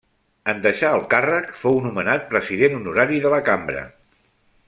En deixar el càrrec fou nomenat president honorari de la Cambra.